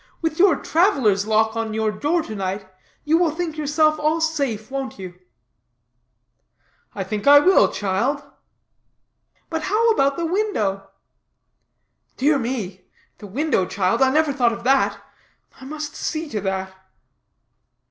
"With your traveler's lock on your door to night, you will think yourself all safe, won't you?" "I think I will, child." "But how about the window?" "Dear me, the window, child. I never thought of that. I must see to that."